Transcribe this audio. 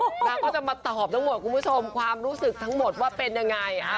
แล้วก็จะมาตอบทั้งหมดคุณผู้ชมความรู้สึกทั้งหมดว่าเป็นยังไง